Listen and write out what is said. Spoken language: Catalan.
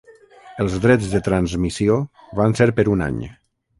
Els drets de transmissió van ser per un any.